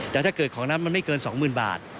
แต่ถ้าเกิดของนั้นมันไม่เกิน๒๐๐๐บาท